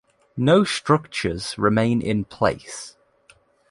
No structures remain in place.